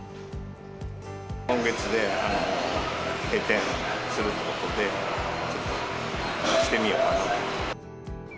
今月で閉店するということで、ちょっと来てみようかなと。